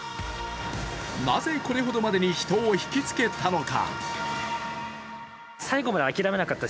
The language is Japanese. なぜこれほどまでに人を引き付けたのか。